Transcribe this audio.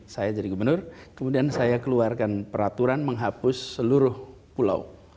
saya jadi gubernur kemudian saya keluarkan peraturan menghapus seluruh pulau